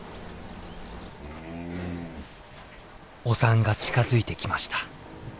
お産が近づいてきました。